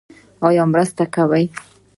ایا مرسته کوئ؟